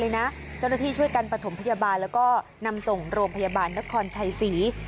เจ้าหน้าที่ช่วยกันประถมพยาบาลแล้วก็นำส่งโรงพยาบาลนครชัยศรี